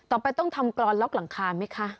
ต่อไปต้องทำกรอนล็อกหลังคาไหมคะ